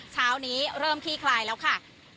เช้านี้เริ่มขี้คลายแล้วค่ะ